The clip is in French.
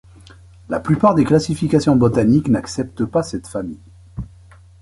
La plupart des classifications botaniques n'acceptent pas cette famille.